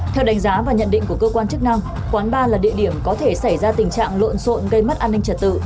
theo đánh giá và nhận định của cơ quan chức năng quán bar là địa điểm có thể xảy ra tình trạng lộn xộn gây mất an ninh trật tự